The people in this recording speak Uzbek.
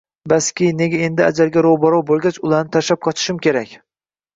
Baski, nega endi ajalga ro‘baro‘ bo‘lgach, ularni tashlab qochishim kerak?!